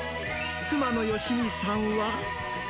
妻の好美さんは。